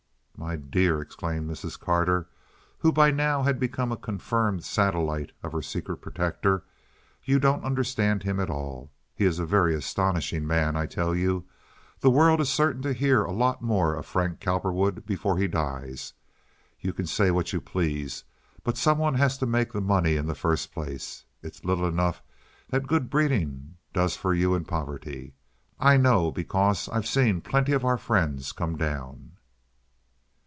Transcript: "My dear," exclaimed Mrs. Carter, who by now had become a confirmed satellite of her secret protector, "you don't understand him at all. He is a very astonishing man, I tell you. The world is certain to hear a lot more of Frank Cowperwood before he dies. You can say what you please, but some one has to make the money in the first place. It's little enough that good breeding does for you in poverty. I know, because I've seen plenty of our friends come down."